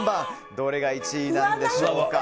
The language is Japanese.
どれが１位なんでしょうか。